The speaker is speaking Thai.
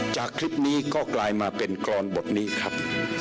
จากคลิปนี้ก็กลายมาเป็นกรอนบทนี้ครับ